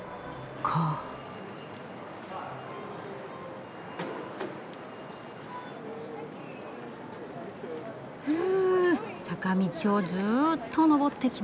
坂道をずっと上ってきました。